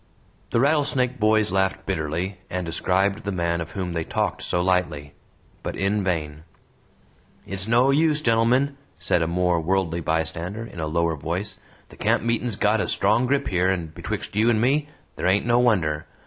The Rattlesnake boys laughed bitterly, and described the man of whom they talked so lightly; but in vain. "It's no use, gentlemen," said a more worldly bystander, in a lower voice, "the camp meetin's got a strong grip here, and betwixt you and me there ain't no wonder.